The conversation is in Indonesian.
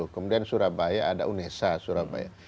kemudian surabaya ada unesa surabaya